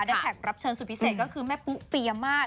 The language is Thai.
แขกรับเชิญสุดพิเศษก็คือแม่ปุ๊ปียมาตร